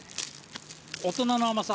大人の甘さ。